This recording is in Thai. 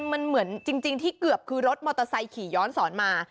มันเหมือนจริงที่เกือบคือรถมอเตอร์ไซค์ขี่ย้อนสอนมา